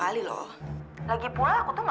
lagi pula aku tuh gak pernah ngajak cowok pergi duluan